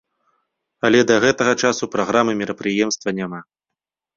Але да гэтага часу праграмы мерапрыемства няма.